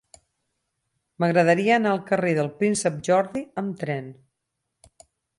M'agradaria anar al carrer del Príncep Jordi amb tren.